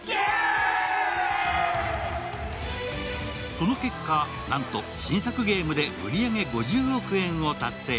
その結果、なんと新作ゲームで売り上げ５０億円を達成。